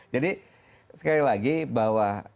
jadi sekali lagi bahwa